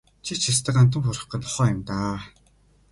Чи ч ёстой гандан буурахгүй нохой юм даа.